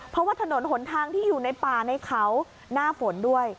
เพราะว่าถนนหนทางที่อยู่ในป่าในเขาหน้าฝนด้วย